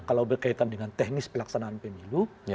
kalau berkaitan dengan teknis pelaksanaan pemilu